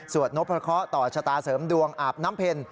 นพพระเคาะต่อชะตาเสริมดวงอาบน้ำเพ็ญ